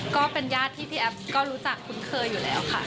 ก็เป็นญาติที่พี่แอฟก็รู้จักคุ้นเคยอยู่แล้วค่ะ